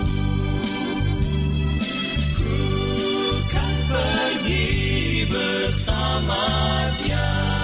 ku kan pergi bersamanya